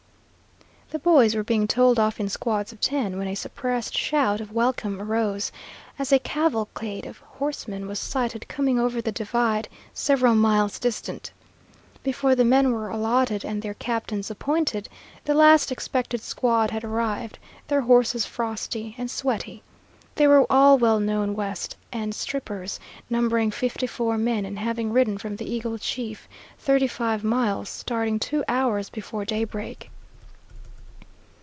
The boys were being told off in squads of ten, when a suppressed shout of welcome arose, as a cavalcade of horsemen was sighted coming over the divide several miles distant. Before the men were allotted and their captains appointed, the last expected squad had arrived, their horses frosty and sweaty. They were all well known west end Strippers, numbering fifty four men and having ridden from the Eagle Chief, thirty five miles, starting two hours before daybreak.